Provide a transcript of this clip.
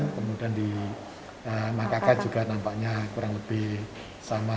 kemudian di makaka juga nampaknya kurang lebih sama